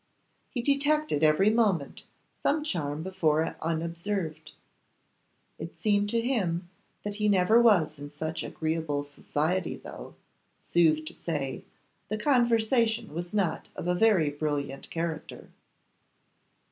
He detected every moment some charm before unobserved. It seemed to him that he never was in such agreeable society, though, sooth to say, the conversation was not of a very brilliant character.